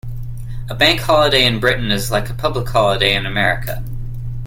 A Bank Holiday in Britain is like a public holiday in America